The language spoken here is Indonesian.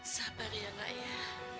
sabar ya nak iwin